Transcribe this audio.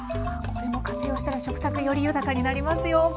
これも活用したら食卓より豊かになりますよ。